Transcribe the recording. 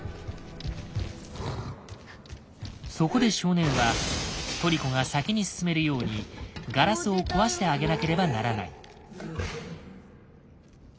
そこで少年はトリコが先に進めるようにガラスを壊してあげなければならない。